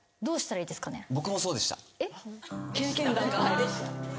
どうしたらいいですかね。